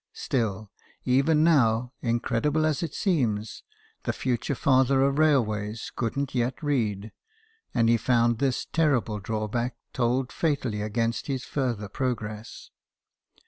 Still, even now, incredible as it seems, the future father of railways couldn't yet read ; and he found this terrible drawback told fatally against his further progress.